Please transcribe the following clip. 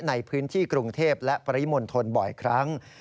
ในพื้นที่กรุงเทพและปริมณฑลบ่อยครั้ง